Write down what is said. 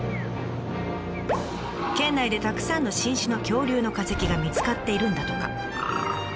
県内でたくさんの新種の恐竜の化石が見つかっているんだとか。